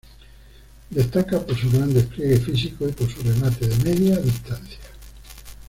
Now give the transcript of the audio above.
Destaca por su gran despliegue físico y por su remate de media distancia.